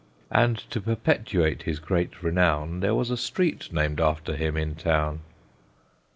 And to perpetuate his great renown There was a street named after him in town.